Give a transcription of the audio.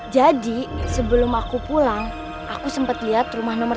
jadi sebelum aku pulang aku sempet liat rumah nomor tiga belas